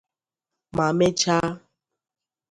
ma mechaa